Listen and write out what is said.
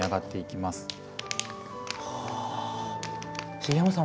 茂山さん